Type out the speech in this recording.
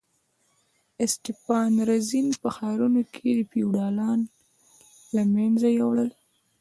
اسټپان رزین په ښارونو کې فیوډالان له منځه یوړل.